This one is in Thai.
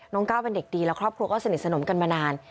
ก้าวเป็นเด็กดีและครอบครัวก็สนิทสนมกันมานาน